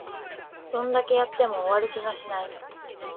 どんだけやっても終わる気がしない